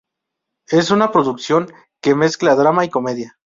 Es una producción que mezcla drama y comedia.